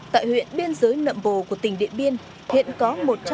tại huyện biên giới nậm bồ của tỉnh điện biên hiện có một trăm hai mươi một